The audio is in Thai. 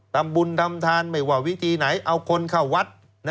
ทำบุญทำทานไม่ว่าวิธีไหนเอาคนเข้าวัด